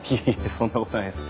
そんなことないです。